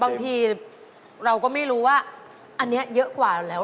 บางทีเราก็ไม่รู้ว่าอันนี้เยอะกว่าเราแล้ว